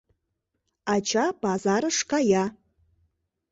Ача пазарыш кая